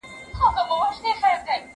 زه پرون د لوبو لپاره وخت نيولی!؟